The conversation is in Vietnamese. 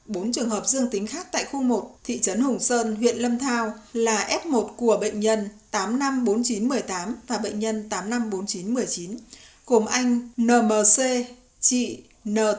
bốn trường hợp dương tính khác tại khu một thị trấn hùng sơn huyện lâm thao là f một của bệnh nhân tám trăm năm mươi bốn nghìn chín trăm một mươi tám và bệnh nhân tám trăm năm mươi bốn nghìn chín trăm một mươi chín gồm anh nmc chị ntt